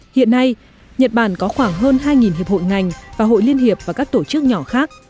hiện nay nhật bản có khoảng hơn hai hiệp hội ngành và hội liên hiệp và các tổ chức nhỏ khác